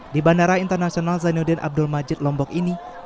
di bandara internasional zainuddin abdul majid lombok ini